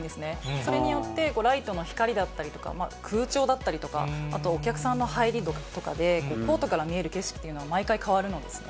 それによって、ライトの光だったりとか、空調だったりとか、あとお客さんの入り度とかで、コートから見える景色というのは、毎回変わるのですね。